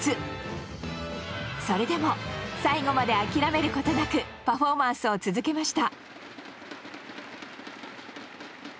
それでも最後まで諦めることなくパフォーマンスを続けました。